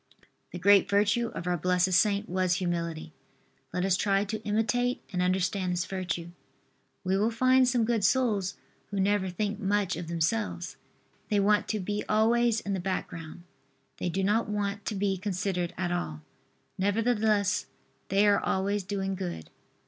The great virtue of our blessed saint was humility. Let us try to imitate and understand this virtue. We will find some good souls who never think much of themselves. They want to be always in the background. They do not want to be considered at all. Nevertheless they are always doing good.